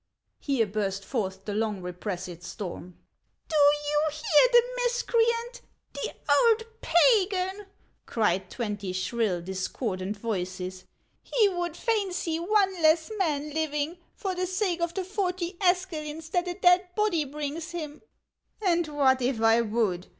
Here burst forth the long repressed storm. "Do you hear the miscreant, — the old Pagan !" cried twenty shrill, discordant voices. "He would fain see one less man living, for the sake of the forty escalins that a dead body brings him." " And what if I would